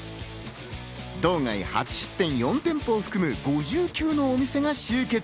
道外初出店４店舗を含む、５９のお店が集結。